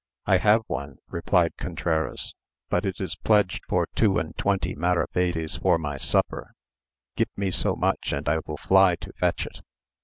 "I have one," replied Contreras, "but it is pledged for two and twenty maravedis for my supper; give me so much and I will fly to fetch it."